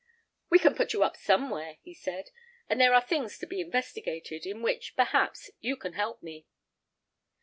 "We can put you up somewhere," he said; "and there are things to be investigated, in which, perhaps, you can help me.